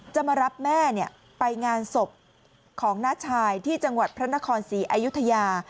จะมารับแม่ไปงานศพของน้าชายที่จังหวัดพระนครศรีอายุทยา